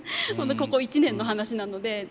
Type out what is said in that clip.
ここ１年の話なので。